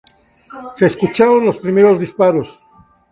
Se escucharon los primeros disparos.